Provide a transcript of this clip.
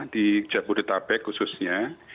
di jabodetabek khususnya